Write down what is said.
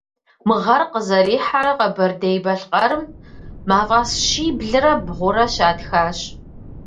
Мы гъэр къызэрихьэрэ Къэбэрдей-Балъкъэрым мафӏэс щиблрэ бгъурэ щатхащ.